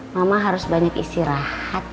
mama harus banyak istirahat